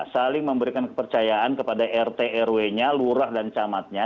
saling memberikan kepercayaan kepada rt rw nya lurah dan camatnya